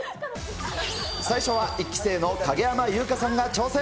最初は１期生の影山優佳さんが挑戦。